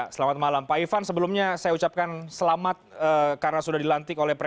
selamat malam pak ivan apa kabar